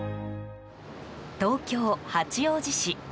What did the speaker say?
東京・八王子市。